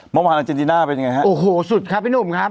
เมื่อวานอาเจนติน่าเป็นยังไงฮะโอ้โหสุดครับพี่หนุ่มครับ